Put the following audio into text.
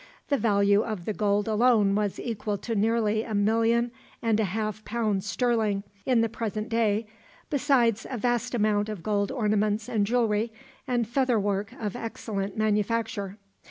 The value of the gold alone was equal to nearly a million and a half pounds sterling, in the present day, besides a vast amount of gold ornaments and jewelry, and feather work of excellent manufacture.